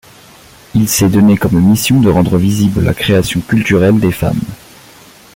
Il s’est donné comme mission de rendre visible la création culturelle des femmes.